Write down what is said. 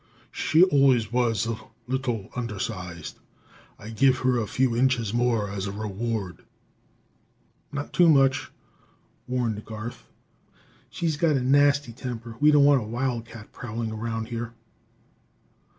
She always was a little undersized; I give her a few inches more as a reward." "Not too much," warned Garth. "She's got a nasty temper; we don't want a wildcat prowling round here!"